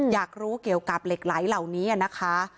อยากรู้เกี่ยวกับเหล็กไหลเหล่านี้นะคะ